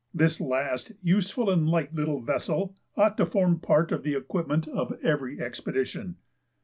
This last useful and light little vessel ought to form part of the equipment of every expedition.